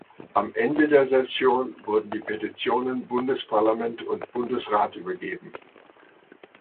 Am Ende der Session wurden die Petitionen Bundesparlament und Bundesrat übergeben.